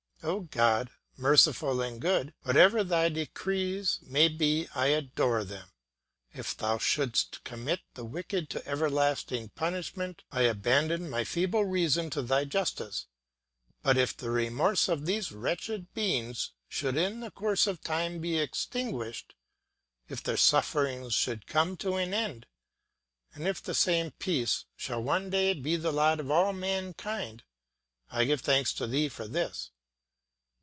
O God, merciful and good, whatever thy decrees may be I adore them; if thou shouldst commit the wicked to everlasting punishment, I abandon my feeble reason to thy justice; but if the remorse of these wretched beings should in the course of time be extinguished, if their sufferings should come to an end, and if the same peace shall one day be the lot of all mankind, I give thanks to thee for this.